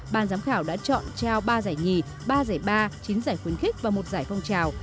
ban giám khảo đã chọn trao ba giải nhì ba giải ba chín giải khuyến khích và một giải phong trào